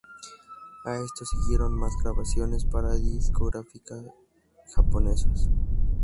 A esto siguieron más grabaciones para discográficas japonesas.